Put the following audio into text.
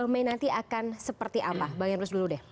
dua puluh mei nanti akan seperti apa bang emrus dulu deh